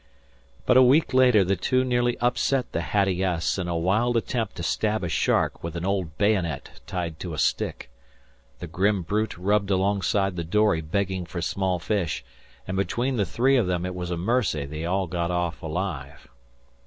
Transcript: But a week later the two nearly upset the Hattie S. in a wild attempt to stab a shark with an old bayonet tied to a stick. The grim brute rubbed alongside the dory begging for small fish, and between the three of them it was a mercy they all got off alive.